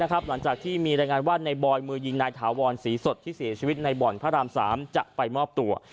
หลังจากที่มีรายงานว่าในบอยมือยิงนายถาวรศรีสดที่เสียชีวิตในบ่อนพระราม๓จะไปมอบตัว